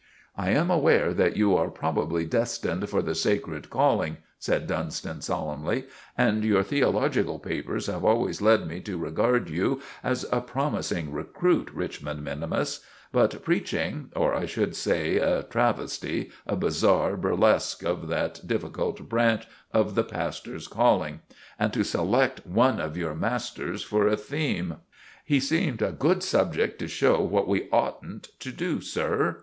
"I am aware that you are probably destined for the sacred calling," said Dunstan solemnly, "and your theological papers have always led me to regard you as a promising recruit, Richmond minimus; but preaching, or I should say a travestie, a bizarre burlesque of that difficult branch of the pastor's calling! And to select one of your masters for a theme!" "He seemed a good subject to show what we oughtn't to do, sir.